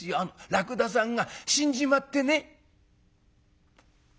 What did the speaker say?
らくださんが死んじまってね」。